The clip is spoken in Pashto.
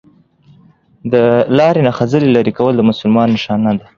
دا لار نه خځلي لري کول د مسلمان نښانه ده